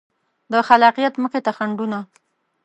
د خلاقیت مخې ته خنډونه